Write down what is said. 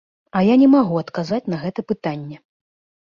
А я не магу адказаць на гэта пытанне.